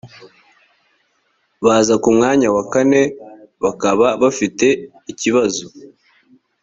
baza ku mwanya wa kane bakaba bafite ikibazo